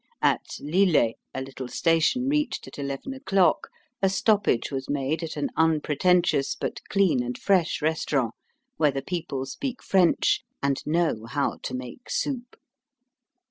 At L'Islet, a little station reached at eleven o'clock a stoppage was made at an unpretentious but clean and fresh restaurant, where the people speak French and know how to make soup.